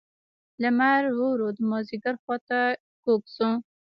لمر ورو ورو د مازیګر خوا ته کږ شو.